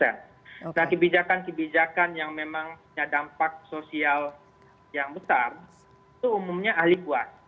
nah kebijakan kebijakan yang memang punya dampak sosial yang besar itu umumnya ahli kuat